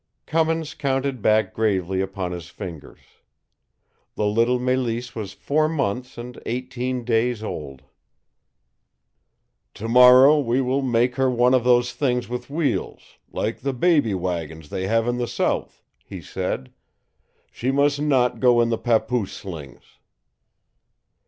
Cummins counted back gravely upon his fingers. The little Mélisse was four months and eighteen days old! "To morrow we will make her one of those things with wheels like the baby wagons they have in the South," he said. "She must not go in the papoose slings!"